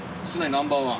ナンバーワン。